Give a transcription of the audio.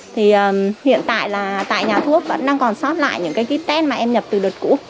thì hiện tại là tại nhà thuốc vẫn đang còn sót lại những cái test mà em nhập từ đợt cũ